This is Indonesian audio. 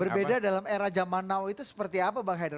berbeda dalam era zaman now itu seperti apa bang haider